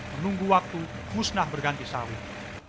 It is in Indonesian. menunggu waktu husnah berganti sawit